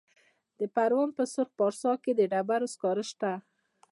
د پروان په سرخ پارسا کې د ډبرو سکاره شته.